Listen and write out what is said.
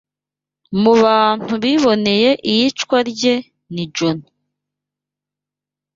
mu bantu biboneye iyicwa rye ni Joni